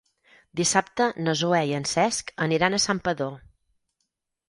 Dissabte na Zoè i en Cesc aniran a Santpedor.